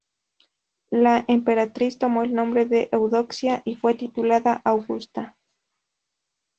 La emperatriz tomó el nombre de Eudoxia y fue titulada Augusta.